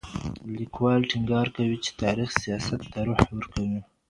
ليکوال ټينګار کوي چي تاريخ سياست ته روح ورکوي.